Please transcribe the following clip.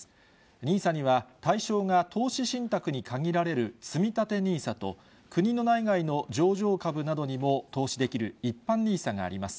ＮＩＳＡには、対象が投資信託に限られるつみたてＮＩＳＡと、国の内外の上場株などにも投資できる一般ＮＩＳＡがあります。